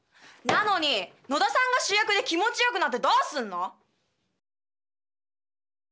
なのに野田さんが主役で気持ちよくなってどうすんの！？